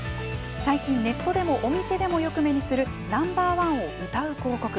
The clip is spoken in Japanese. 最近ネットでもお店でもよく目にするＮｏ．１をうたう広告。